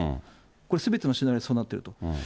これ、すべてのシナリオがそうなってると。